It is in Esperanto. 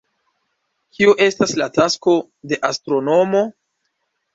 Kio estas la tasko de astronomo?